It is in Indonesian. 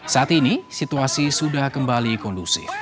saat ini situasi sudah kembali kondusif